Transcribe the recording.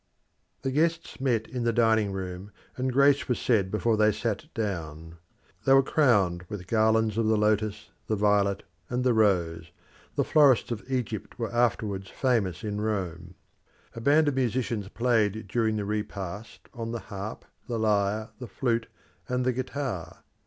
The guests met in the dining room, and grace was said before they sat down. They were crowned with garlands of the lotus, the violet, and the rose the florists of Egypt were afterwards famous in Rome. A band of musicians played during the repast on the harp, the lyre, the flute, and the guitar.